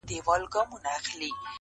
خپه وې چي وړې ، وړې ،وړې د فريادي وې.